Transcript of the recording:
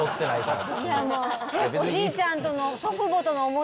おじいちゃんとの。